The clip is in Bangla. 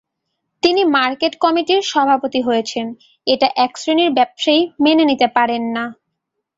তিনি মার্কেট কমিটির সভাপতি হয়েছেন, এটা একশ্রেণির ব্যবসায়ী মেনে নিতে পারেন না।